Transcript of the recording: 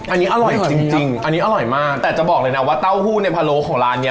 อันนี้อร่อยจริงจริงอันนี้อร่อยมากแต่จะบอกเลยนะว่าเต้าหู้ในพะโล้ของร้านเนี้ย